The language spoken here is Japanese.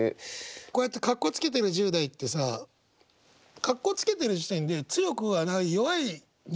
こうやってかっこつけてる１０代ってさかっこつけてる時点で強くはない弱い人間じゃん。